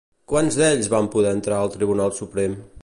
Quants d'ells van poder entrar al Tribunal Suprem?